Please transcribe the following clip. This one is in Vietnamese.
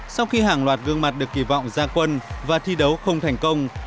sau khi hàng loạt gương mặt được kỳ vọng ra quân và thi đấu không thành công